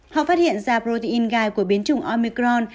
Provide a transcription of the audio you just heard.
phát hiện ra protein gai của biến chủng omicron